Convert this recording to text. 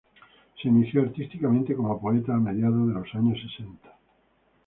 Se inició artísticamente como poeta a mediados de los años sesenta.